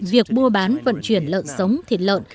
việc mua bán vận chuyển lợn sống thịt lợn